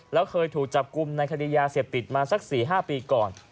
แล้วเคยถูกจับกลุ่มในคดียาเสพติดมาสัก๔๕ปีก่อน